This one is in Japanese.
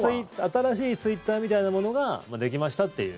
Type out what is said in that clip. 新しいツイッターみたいなものができましたっていう。